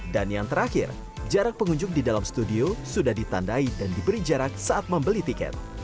dan yang terakhir jarak pengunjung di dalam studio sudah ditandai dan diberi jarak saat membeli tiket